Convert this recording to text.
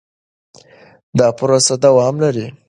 دا پروسه دوام لري.